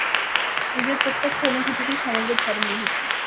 নিজের প্রত্যক্ষ অনুভুতিতেই সমগ্র ধর্ম নিহিত।